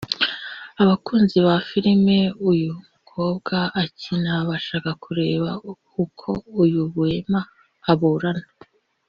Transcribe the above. abakunzi ba filime uyu mukobwa akina …bashaka kureba uko uyu wema aburana